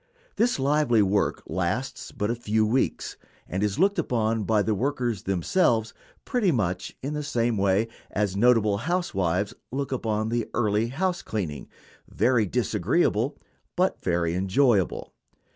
This lively work lasts but a few weeks, and is looked upon by the workers themselves pretty much in the same way as notable housewives look upon the early house cleaning very disagreeable, but very enjoyable.